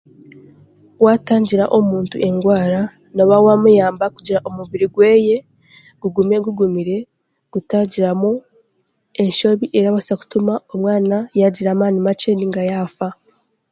Waatangira omuntu engwara, n'oba waamuyamba kugira omubiri gweye gugume gugumire gutagiramu enshobi erabaasa kutuma omwana yaagira amaani makye nainga yaafa.